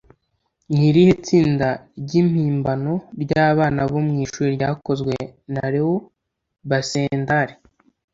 Ni irihe tsinda ry'impimbano ry'abana bo mu ishuri ryakozwe na Leo Baxendale?